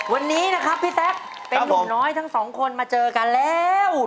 วันนี้นะครับพี่แต๊กเป็นนุ่มน้อยทั้งสองคนมาเจอกันแล้ว